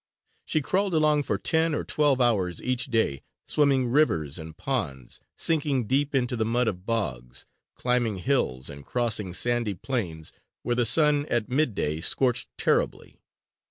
She crawled along for ten or twelve hours each day, swimming rivers and ponds, sinking deep into the mud of bogs, climbing hills and crossing sandy plains where the sun at midday scorched terribly.